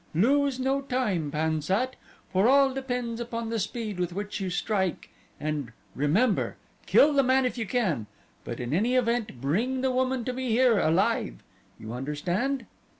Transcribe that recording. Lose no time, Pan sat, for all depends upon the speed with which you strike and remember! Kill the man if you can; but in any event bring the woman to me here, alive. You understand?"